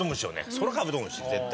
それは『カブトムシ』絶対。